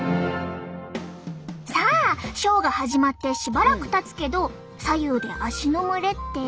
さあショーが始まってしばらくたつけど左右で足の蒸れって？